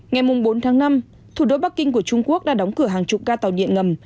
ngày bốn tháng năm thủ đô bắc kinh của trung quốc đã đóng cửa hàng chục ca tàu điện ngầm